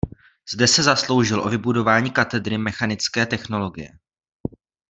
Zde se zasloužil o vybudování katedry mechanické technologie.